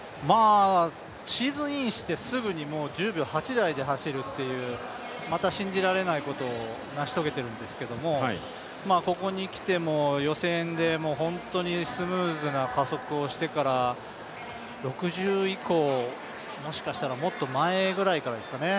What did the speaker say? シーズンインしてすぐ１０秒０８台で走るというまた信じられないことを成し遂げているんですけどここに来ても予選で本当にスムーズな加速をしてから６０以降、もしかしたらもっと前ぐらいからですかね